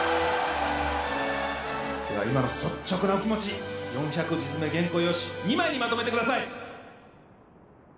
では今の率直なお気持ち４００字詰め原稿用紙２枚にまとめてください！